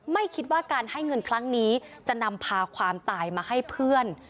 ไม่คิดว่าการให้เงินครั้งนี้จะนำพาความตายมาให้เพื่อน